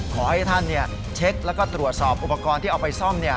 ขอให้ท่านเช็คแล้วก็ตรวจสอบอุปกรณ์ที่เอาไปซ่อม